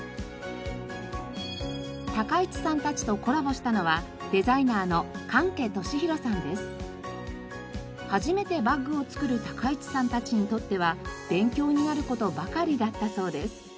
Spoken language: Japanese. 高市さんたちとコラボしたのは初めてバッグを作る高市さんたちにとっては勉強になる事ばかりだったそうです。